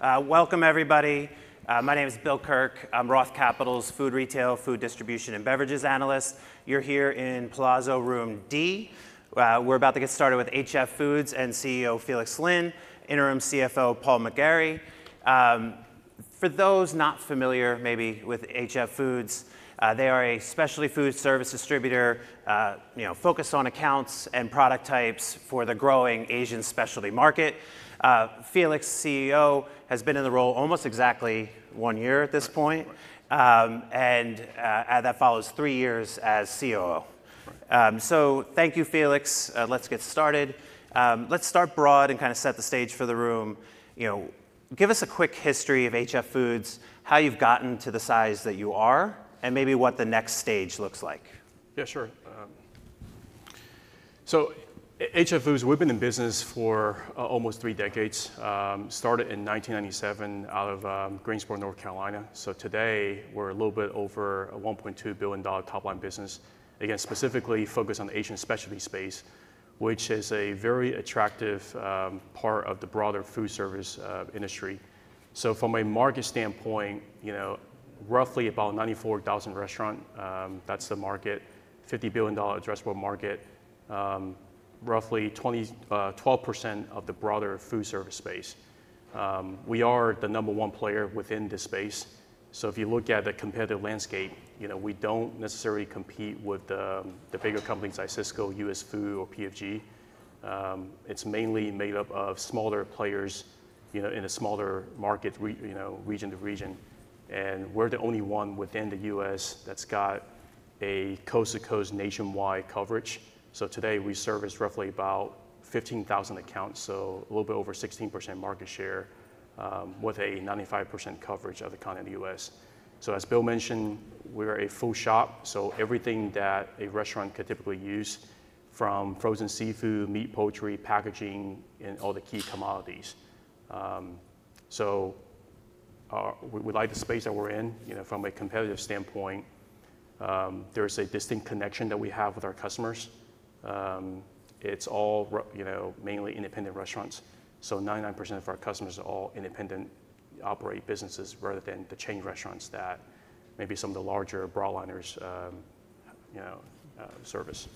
Welcome, everybody. My name is Bill Kirk. I'm Roth Capital's Food Retail, Food Distribution, and Beverages Analyst. You're here in Plaza Room D. We're about to get started with HF Foods and CEO Felix Lin, Interim CFO Paul McGarry. For those not familiar, maybe, with HF Foods, they are a specialty food service distributor focused on accounts and product types for the growing Asian specialty market. Felix, CEO, has been in the role almost exactly one year at this point, and that follows three years as COO. So thank you, Felix. Let's get started. Let's start broad and kind of set the stage for the room. Give us a quick history of HF Foods, how you've gotten to the size that you are, and maybe what the next stage looks like. Yeah, sure. So HF Foods, we've been in business for almost three decades. Started in 1997 out of Greensboro, North Carolina. So today, we're a little bit over a $1.2 billion top-line business, again, specifically focused on the Asian specialty space, which is a very attractive part of the broader food service industry. So from a market standpoint, roughly about 94,000 restaurants, that's the market, $50 billion addressable market, roughly 12% of the broader food service space. We are the number one player within this space. So if you look at the competitive landscape, we don't necessarily compete with the bigger companies like Sysco, US Foods, or PFG. It's mainly made up of smaller players in a smaller market, region to region, and we're the only one within the U.S. that's got a coast-to-coast nationwide coverage. So today, we service roughly about 15,000 accounts, so a little bit over 16% market share with a 95% coverage of the continent of the U.S. So as Bill mentioned, we're a full shop, so everything that a restaurant could typically use, from frozen seafood, meat, poultry, packaging, and all the key commodities. So we like the space that we're in. From a competitive standpoint, there's a distinct connection that we have with our customers. It's all mainly independent restaurants. So 99% of our customers are all independent operating businesses rather than the chain restaurants that maybe some of the larger broadliners service.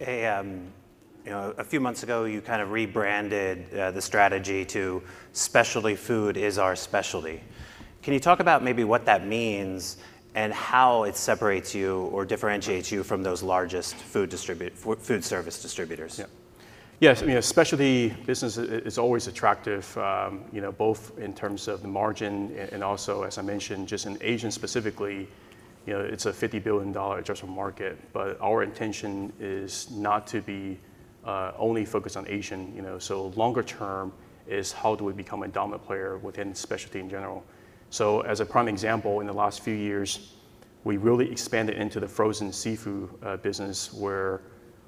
A few months ago, you kind of rebranded the strategy to Specialty Food is Our Specialty. Can you talk about maybe what that means and how it separates you or differentiates you from those largest food service distributors? Yeah. Yes. Specialty business is always attractive, both in terms of the margin and also, as I mentioned, just in Asian specifically. It's a $50 billion addressable market. But our intention is not to be only focused on Asian, so longer term is how do we become a dominant player within specialty in general, so as a prime example, in the last few years, we really expanded into the frozen seafood business, where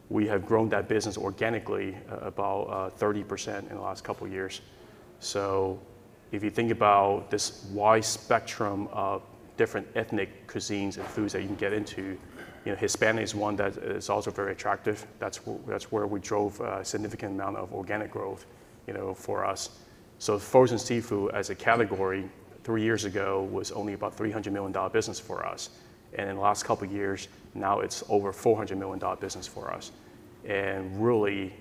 we have grown that business organically about 30% in the last couple of years. So if you think about this wide spectrum of different ethnic cuisines and foods that you can get into, Hispanic is one that is also very attractive. That's where we drove a significant amount of organic growth for us. So frozen seafood as a category, three years ago, was only about a $300 million business for us. And in the last couple of years, now it's over a $400 million business for us. And really,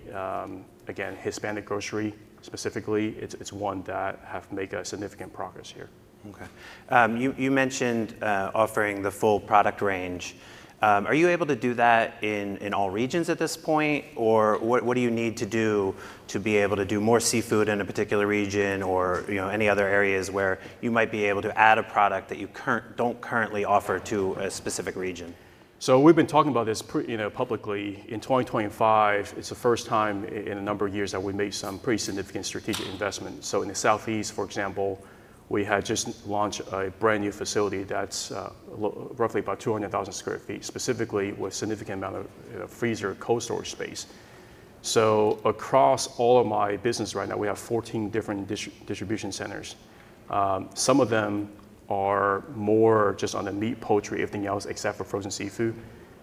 again, Hispanic grocery specifically, it's one that has made significant progress here. OK. You mentioned offering the full product range. Are you able to do that in all regions at this point? Or what do you need to do to be able to do more seafood in a particular region or any other areas where you might be able to add a product that you don't currently offer to a specific region? We've been talking about this publicly. In 2025, it's the first time in a number of years that we made some pretty significant strategic investment. In the Southeast, for example, we had just launched a brand new facility that's roughly about 200,000 sq ft, specifically with a significant amount of freezer cold storage space. Across all of my business right now, we have 14 different distribution centers. Some of them are more just on the meat, poultry, everything else except for frozen seafood.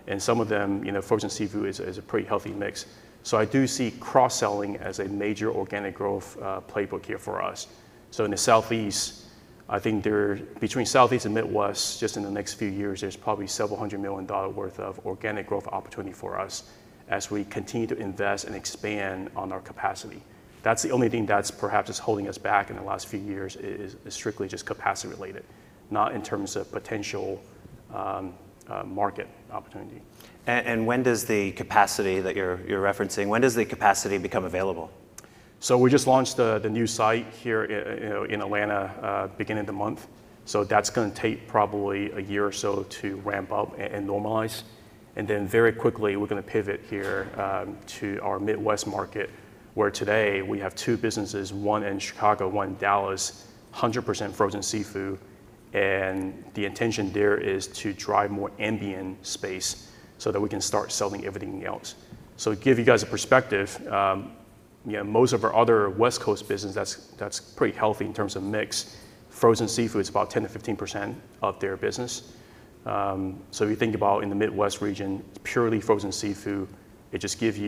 And some of them, frozen seafood is a pretty healthy mix. I do see cross-selling as a major organic growth playbook here for us. In the Southeast, I think between Southeast and Midwest, just in the next few years, there's probably $700 million worth of organic growth opportunity for us as we continue to invest and expand on our capacity. That's the only thing that's perhaps holding us back in the last few years is strictly just capacity related, not in terms of potential market opportunity. When does the capacity that you're referencing, when does the capacity become available? We just launched the new site here in Atlanta beginning of the month. That's going to take probably a year or so to ramp up and normalize. Very quickly, we're going to pivot here to our Midwest market, where today we have two businesses, one in Chicago, one in Dallas, 100% frozen seafood. The intention there is to drive more ambient space so that we can start selling everything else. To give you guys a perspective, most of our other West Coast business, that's pretty healthy in terms of mix. Frozen seafood is about 10%-15% of their business. If you think about in the Midwest region, purely frozen seafood, it just gives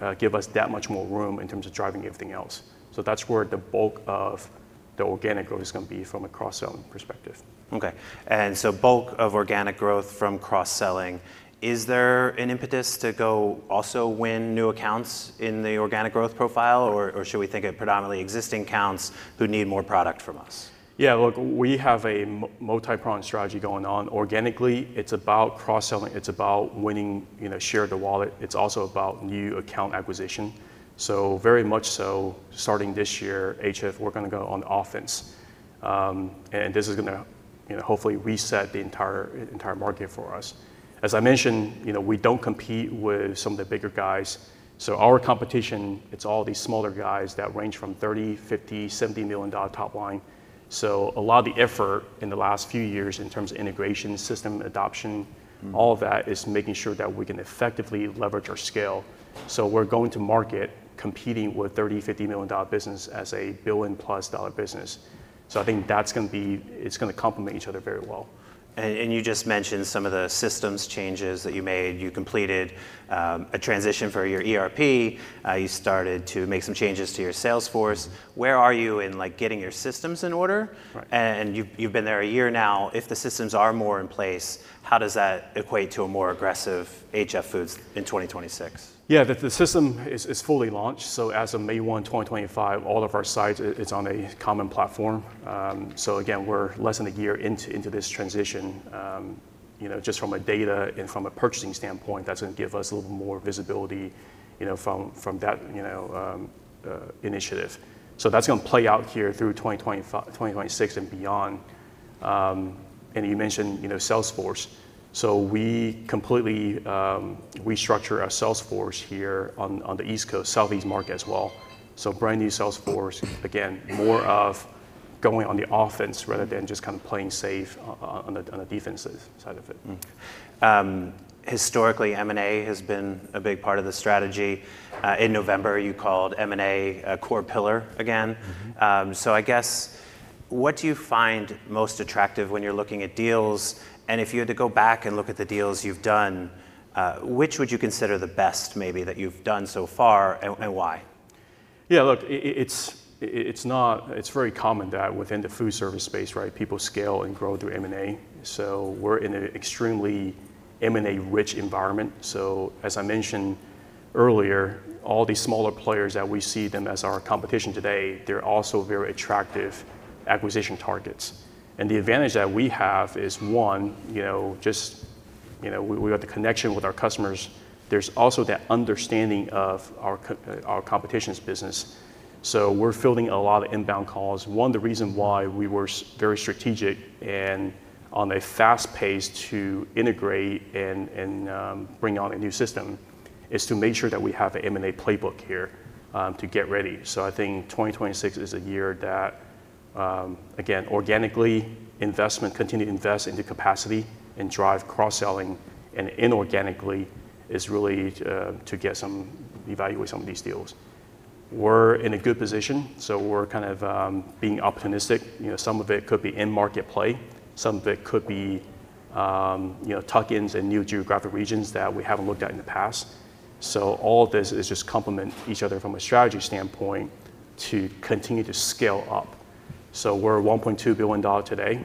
us that much more room in terms of driving everything else. That's where the bulk of the organic growth is going to be from a cross-selling perspective. OK. And so bulk of organic growth from cross-selling, is there an impetus to go also win new accounts in the organic growth profile? Or should we think of predominantly existing accounts who need more product from us? Yeah. Look, we have a multi-pronged strategy going on. Organically, it's about cross-selling. It's about winning share of the wallet. It's also about new account acquisition. So very much so, starting this year, HF, we're going to go on the offense. And this is going to hopefully reset the entire market for us. As I mentioned, we don't compete with some of the bigger guys. So our competition, it's all these smaller guys that range from $30, $50, $70 million top line. So a lot of the effort in the last few years in terms of integration, system adoption, all of that is making sure that we can effectively leverage our scale. So we're going to market competing with $30, $50 million business as a $1 billion-plus dollar business. So I think that's going to be. It's going to complement each other very well. And you just mentioned some of the systems changes that you made. You completed a transition for your ERP. You started to make some changes to your salesforce. Where are you in getting your systems in order? And you've been there a year now. If the systems are more in place, how does that equate to a more aggressive HF Foods in 2026? Yeah. The system is fully launched. So as of May 1, 2025, all of our sites, it's on a common platform. So again, we're less than a year into this transition. Just from a data and from a purchasing standpoint, that's going to give us a little more visibility from that initiative. So that's going to play out here through 2026 and beyond. And you mentioned sales force. So we completely restructured our sales force here on the East Coast, Southeast market as well. So brand new sales force, again, more of going on the offense rather than just kind of playing safe on the defensive side of it. Historically, M&A has been a big part of the strategy. In November, you called M&A a core pillar again. So I guess, what do you find most attractive when you're looking at deals? And if you had to go back and look at the deals you've done, which would you consider the best maybe that you've done so far and why? Yeah. Look, it's very common that within the food service space, people scale and grow through M&A. So we're in an extremely M&A-rich environment. So as I mentioned earlier, all these smaller players that we see them as our competition today, they're also very attractive acquisition targets. And the advantage that we have is, one, just we got the connection with our customers. There's also that understanding of our competition's business. So we're fielding a lot of inbound calls. One, the reason why we were very strategic and on a fast pace to integrate and bring on a new system is to make sure that we have an M&A playbook here to get ready. So I think 2026 is a year that, again, organically, investment, continue to invest into capacity and drive cross-selling. And inorganically is really to get some evaluation of these deals. We're in a good position. So we're kind of being optimistic. Some of it could be in-market play. Some of it could be tuck-ins in new geographic regions that we haven't looked at in the past. So all of this is just complementing each other from a strategy standpoint to continue to scale up. So we're $1.2 billion today.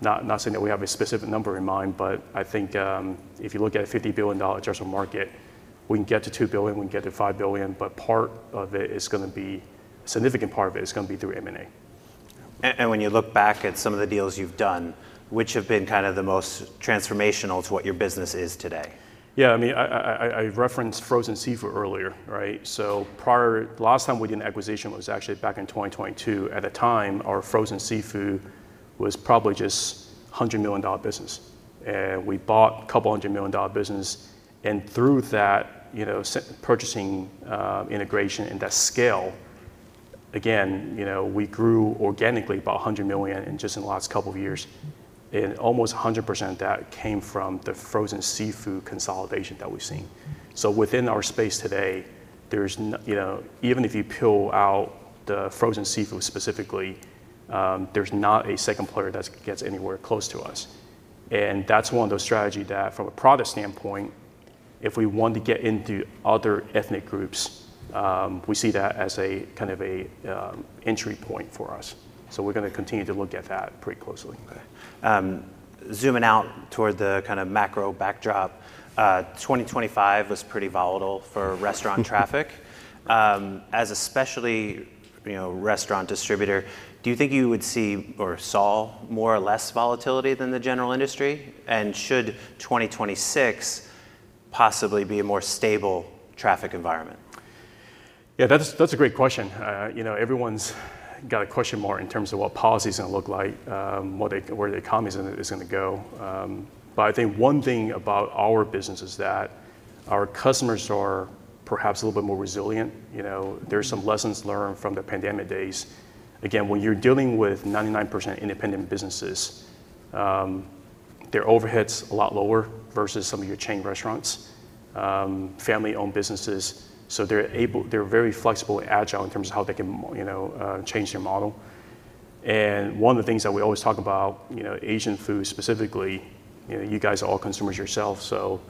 Not saying that we have a specific number in mind, but I think if you look at a $50 billion addressable market, we can get to $2 billion, we can get to $5 billion. But part of it is going to be a significant part of it is going to be through M&A. When you look back at some of the deals you've done, which have been kind of the most transformational to what your business is today? Yeah. I mean, I referenced frozen seafood earlier. So the last time we did an acquisition was actually back in 2022. At the time, our frozen seafood was probably just a $100 million business. And we bought a couple of $100 million business. And through that purchasing integration and that scale, again, we grew organically about $100 million just in the last couple of years. And almost 100% of that came from the frozen seafood consolidation that we've seen. So within our space today, even if you peel out the frozen seafood specifically, there's not a second player that gets anywhere close to us. And that's one of those strategies that from a product standpoint, if we want to get into other ethnic groups, we see that as a kind of an entry point for us. So we're going to continue to look at that pretty closely. Zooming out toward the kind of macro backdrop, 2025 was pretty volatile for restaurant traffic. As a specialty restaurant distributor, do you think you would see or saw more or less volatility than the general industry? And should 2026 possibly be a more stable traffic environment? Yeah. That's a great question. Everyone's got a question mark in terms of what policy is going to look like, where the economy is going to go. But I think one thing about our business is that our customers are perhaps a little bit more resilient. There's some lessons learned from the pandemic days. Again, when you're dealing with 99% independent businesses, their overhead's a lot lower versus some of your chain restaurants, family-owned businesses. So they're very flexible and agile in terms of how they can change their model. And one of the things that we always talk about, Asian food specifically, you guys are all consumers yourself. So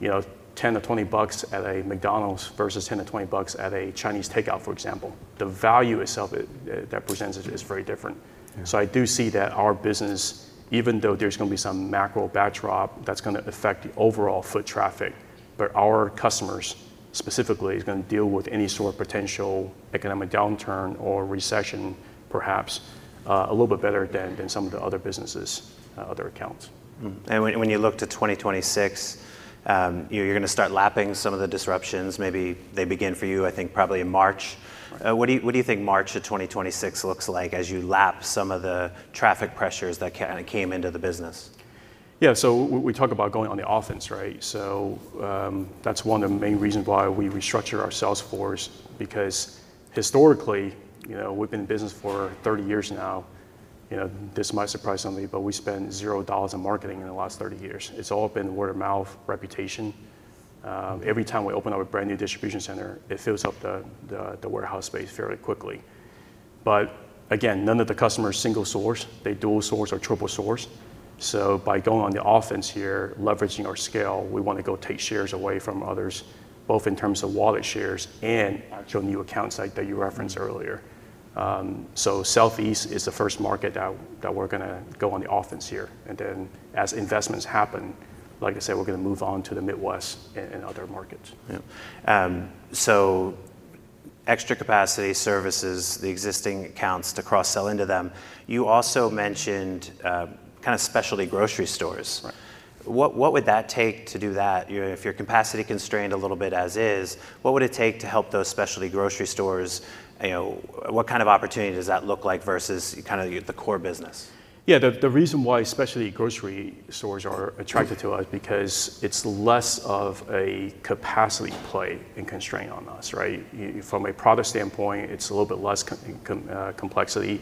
$10 to $20 at a McDonald's versus $10 to $20 at a Chinese takeout, for example. The value itself that presents is very different. So I do see that our business, even though there's going to be some macro backdrop that's going to affect the overall foot traffic, but our customers specifically are going to deal with any sort of potential economic downturn or recession perhaps a little bit better than some of the other businesses, other accounts. When you look to 2026, you're going to start lapping some of the disruptions. Maybe they begin for you, I think, probably in March. What do you think March of 2026 looks like as you lap some of the tariff pressures that kind of came into the business? Yeah. So we talk about going on the offense. So that's one of the main reasons why we restructured our salesforce, because historically, we've been in business for 30 years now. This might surprise somebody, but we spent $0 in marketing in the last 30 years. It's all been word of mouth, reputation. Every time we open up a brand new distribution center, it fills up the warehouse space fairly quickly. But again, none of the customers single source. They dual source or triple source. So by going on the offense here, leveraging our scale, we want to go take shares away from others, both in terms of wallet shares and actual new accounts like that you referenced earlier. So Southeast is the first market that we're going to go on the offense here. As investments happen, like I said, we're going to move on to the Midwest and other markets. So extra capacity services the existing accounts to cross-sell into them. You also mentioned kind of specialty grocery stores. What would that take to do that? If you're capacity constrained a little bit as is, what would it take to help those specialty grocery stores? What kind of opportunity does that look like versus kind of the core business? Yeah. The reason why specialty grocery stores are attracted to us is because it's less of a capacity play and constraint on us. From a product standpoint, it's a little bit less complexity,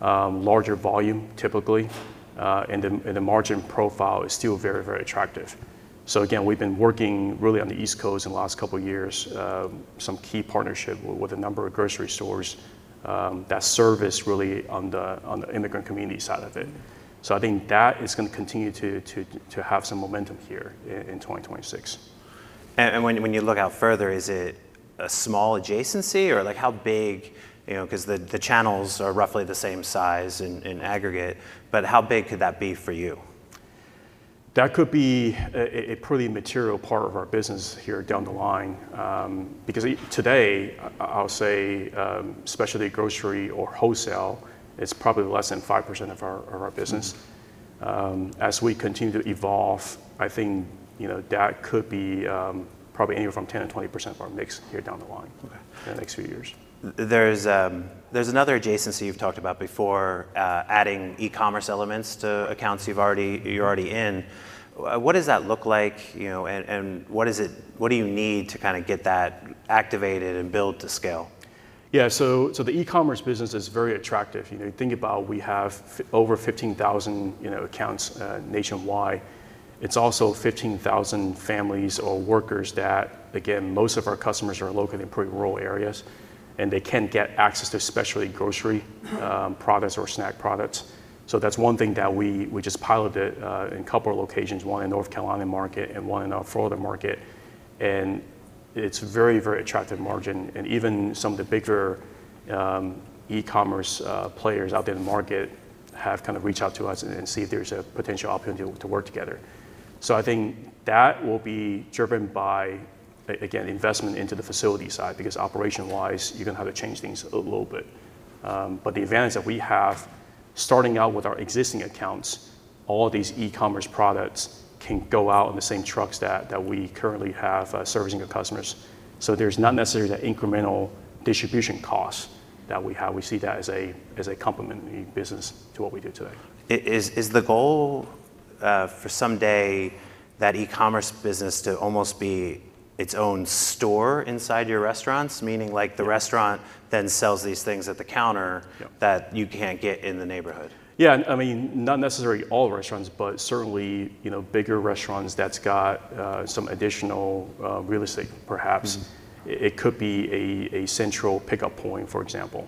larger volume typically, and the margin profile is still very, very attractive, so again, we've been working really on the East Coast in the last couple of years, some key partnership with a number of grocery stores that service really on the immigrant community side of it, so I think that is going to continue to have some momentum here in 2026. And when you look out further, is it a small adjacency? Or how big? Because the channels are roughly the same size in aggregate. But how big could that be for you? That could be a pretty material part of our business here down the line. Because today, I'll say specialty grocery or wholesale, it's probably less than 5% of our business. As we continue to evolve, I think that could be probably anywhere from 10%-20% of our mix here down the line in the next few years. There's another adjacency you've talked about before, adding e-commerce elements to accounts you're already in. What does that look like? And what do you need to kind of get that activated and build to scale? Yeah. So the e-commerce business is very attractive. You think about we have over 15,000 accounts nationwide. It's also 15,000 families or workers that, again, most of our customers are located in pretty rural areas. And they can get access to specialty grocery products or snack products. So that's one thing that we just piloted in a couple of locations, one in North Carolina market and one in our Florida market. And it's a very, very attractive margin. And even some of the bigger e-commerce players out there in the market have kind of reached out to us and see if there's a potential opportunity to work together. So I think that will be driven by, again, investment into the facility side. Because operation-wise, you're going to have to change things a little bit. But the advantage that we have, starting out with our existing accounts, all these e-commerce products can go out in the same trucks that we currently have servicing our customers. So there's not necessarily that incremental distribution cost that we have. We see that as a complementary business to what we do today. Is the goal for someday that e-commerce business to almost be its own store inside your restaurants? Meaning the restaurant then sells these things at the counter that you can't get in the neighborhood. Yeah. I mean, not necessarily all restaurants, but certainly bigger restaurants that's got some additional real estate, perhaps. It could be a central pickup point, for example.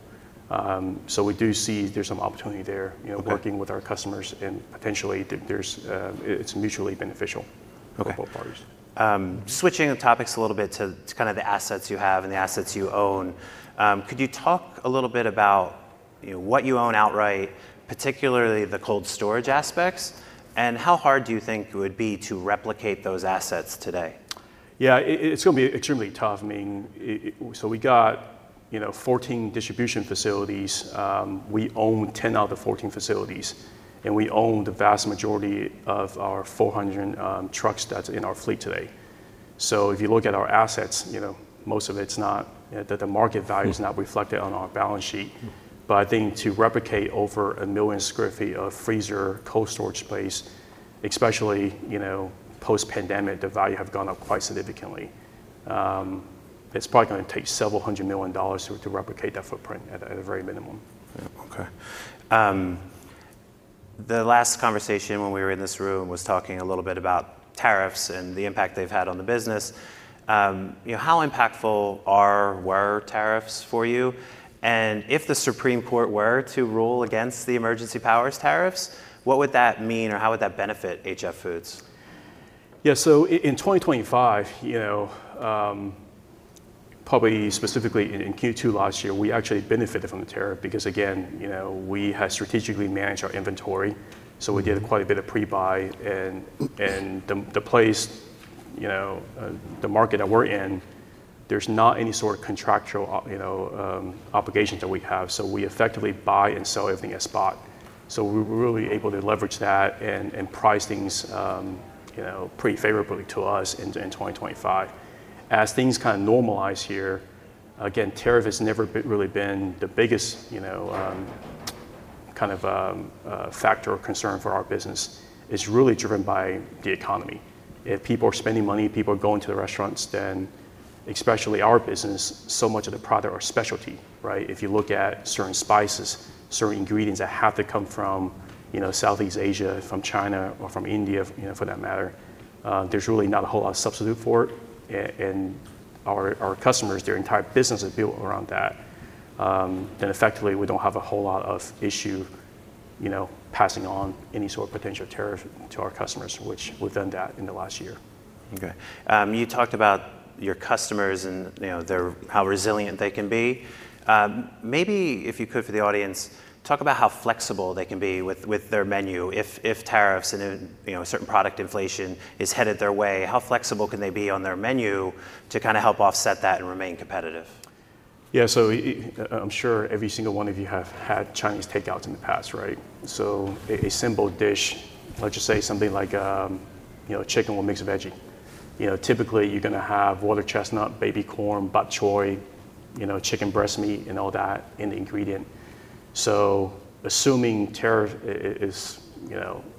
So we do see there's some opportunity there working with our customers. And potentially, it's mutually beneficial for both parties. Switching the topics a little bit to kind of the assets you have and the assets you own, could you talk a little bit about what you own outright, particularly the cold storage aspects, and how hard do you think it would be to replicate those assets today? Yeah. It's going to be extremely tough. I mean, so we got 14 distribution facilities. We own 10 facilities out of the 14 facilities. And we own the vast majority of our 400 trucks that's in our fleet today. So if you look at our assets, most of it's not that the market value is not reflected on our balance sheet. But I think to replicate over a million square feet of freezer cold storage space, especially post-pandemic, the value has gone up quite significantly. It's probably going to take $several hundred million to replicate that footprint at a very minimum. OK. The last conversation when we were in this room was talking a little bit about tariffs and the impact they've had on the business. How impactful are war tariffs for you? And if the Supreme Court were to rule against the emergency powers tariffs, what would that mean or how would that benefit HF Foods? Yeah. So in 2025, probably specifically in Q2 last year, we actually benefited from the tariff. Because again, we had strategically managed our inventory. So we did quite a bit of pre-buy. And the place, the market that we're in, there's not any sort of contractual obligations that we have. So we effectively buy and sell everything at spot. So we were really able to leverage that and price things pretty favorably to us in 2025. As things kind of normalize here, again, tariff has never really been the biggest kind of factor or concern for our business. It's really driven by the economy. If people are spending money, people are going to the restaurants, then especially our business, so much of the product or specialty. If you look at certain spices, certain ingredients that have to come from Southeast Asia, from China, or from India, for that matter, there's really not a whole lot of substitute for it. And our customers, their entire business is built around that, then effectively, we don't have a whole lot of issue passing on any sort of potential tariff to our customers, which we've done that in the last year. OK. You talked about your customers and how resilient they can be. Maybe if you could, for the audience, talk about how flexible they can be with their menu. If tariffs and certain product inflation is headed their way, how flexible can they be on their menu to kind of help offset that and remain competitive? Yeah. So I'm sure every single one of you have had Chinese takeout in the past. So a simple dish, let's just say something like chicken with mixed veggie. Typically, you're going to have water chestnut, baby corn, bok choy, chicken breast meat, and all that in the ingredient. So assuming tariff is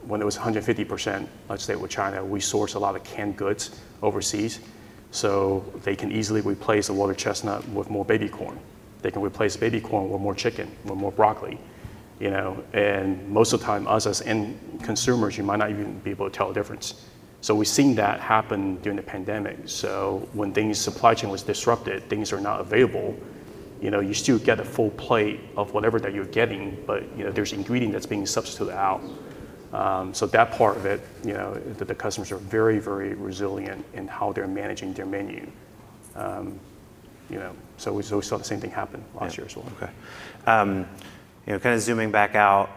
when it was 150%, let's say with China, we source a lot of canned goods overseas. So they can easily replace the water chestnut with more baby corn. They can replace baby corn with more chicken, with more broccoli. And most of the time, us as end consumers, you might not even be able to tell the difference. So we've seen that happen during the pandemic. So when things' supply chain was disrupted, things were not available. You still get a full plate of whatever that you're getting, but there's ingredient that's being substituted out. So that part of it, the customers are very, very resilient in how they're managing their menu. So we saw the same thing happen last year as well. OK. Kind of zooming back out,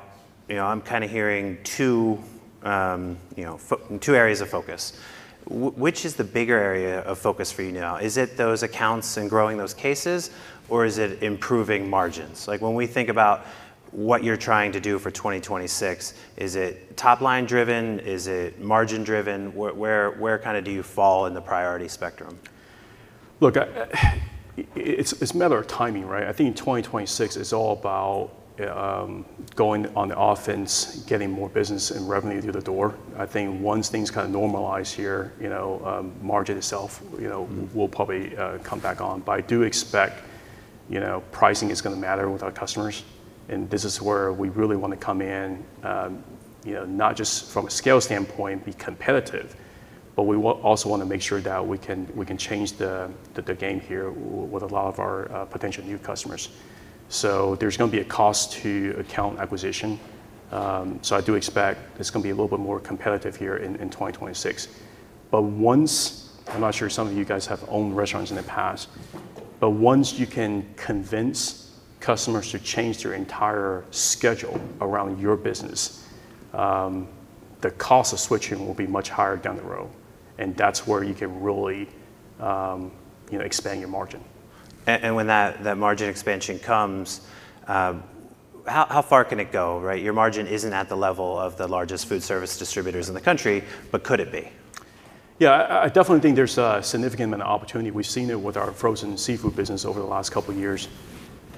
I'm kind of hearing two areas of focus. Which is the bigger area of focus for you now? Is it those accounts and growing those cases? Or is it improving margins? When we think about what you're trying to do for 2026, is it top-line driven? Is it margin driven? Where kind of do you fall in the priority spectrum? Look, it's a matter of timing. I think in 2026, it's all about going on the offense, getting more business and revenue through the door. I think once things kind of normalize here, margin itself will probably come back on. But I do expect pricing is going to matter with our customers. And this is where we really want to come in, not just from a scale standpoint, be competitive. But we also want to make sure that we can change the game here with a lot of our potential new customers. So there's going to be a cost to account acquisition. So I do expect it's going to be a little bit more competitive here in 2026. But once, I'm not sure some of you guys have owned restaurants in the past. But once you can convince customers to change their entire schedule around your business, the cost of switching will be much higher down the road. And that's where you can really expand your margin. When that margin expansion comes, how far can it go? Your margin isn't at the level of the largest food service distributors in the country, but could it be? Yeah. I definitely think there's a significant amount of opportunity. We've seen it with our frozen seafood business over the last couple of years.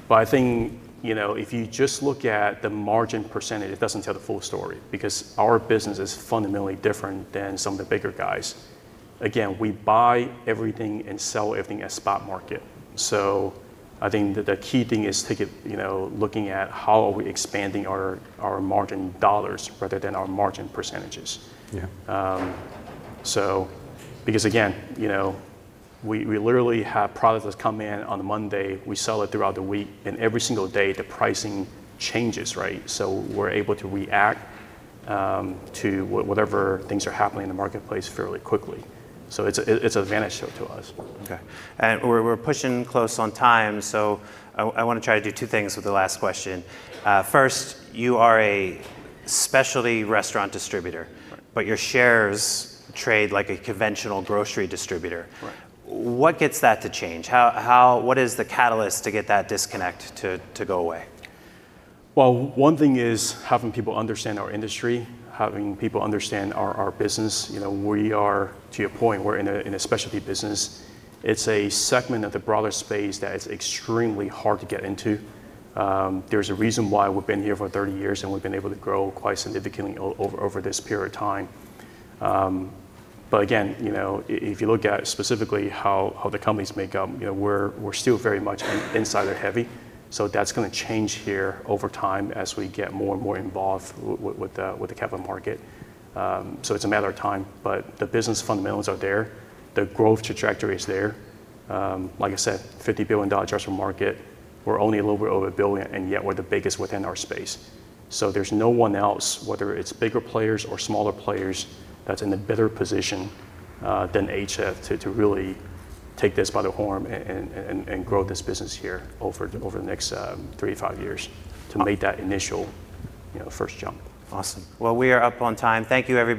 But I think if you just look at the margin percentage, it doesn't tell the full story. Because our business is fundamentally different than some of the bigger guys. Again, we buy everything and sell everything at spot market. So I think the key thing is looking at how are we expanding our margin dollars rather than our margin percentages. Because again, we literally have products that come in on Monday. We sell it throughout the week. And every single day, the pricing changes. So we're able to react to whatever things are happening in the marketplace fairly quickly. So it's an advantage to us. OK. We're pushing close on time. I want to try to do two things with the last question. First, you are a specialty restaurant distributor. Your shares trade like a conventional grocery distributor. What gets that to change? What is the catalyst to get that disconnect to go away? One thing is having people understand our industry, having people understand our business. We are, to your point, we're in a specialty business. It's a segment of the broader space that is extremely hard to get into. There's a reason why we've been here for 30 years. We've been able to grow quite significantly over this period of time. Again, if you look at specifically how the companies make up, we're still very much insider-heavy. That's going to change here over time as we get more and more involved with the capital market. It's a matter of time. The business fundamentals are there. The growth trajectory is there. Like I said, $50 billion restaurant market. We're only a little bit over a billion. Yet, we're the biggest within our space. So there's no one else, whether it's bigger players or smaller players, that's in a better position than HF to really take the bull by the horns and grow this business here over the next three to five years to make that initial first jump. Awesome. Well, we are up on time. Thank you, Everybody.